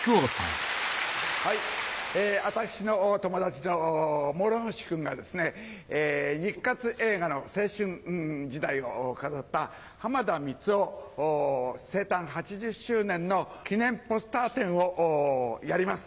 私の友達の諸星君がですね日活映画の青春時代を飾った浜田光夫生誕８０周年の記念ポスター展をやります。